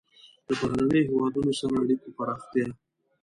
له بهرنیو هېوادونو سره اړیکو پراختیا.